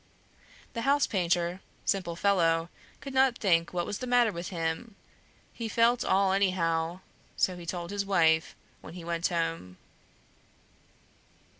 The house painter, simple fellow, could not think what was the matter with him. He "felt all anyhow"; so he told his wife when he went home.